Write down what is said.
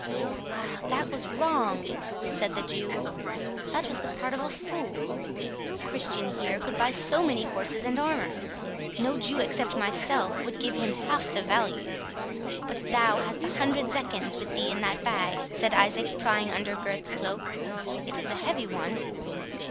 "Ah! that was wrong," said the Jew, "that was the part of a fool. No Christians here could buy so many horses and armour—no Jew except myself would give him half the values. But thou hast a hundred zecchins with thee in that bag," said Isaac, prying under Gurth's cloak, "it is a heavy one."